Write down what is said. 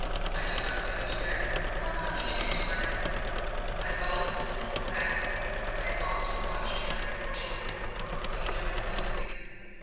"I do not know you, sir. How came you to enter my mill?" "I followed Mrs. Halifax. I have often watched her and your children. But you don't remember me."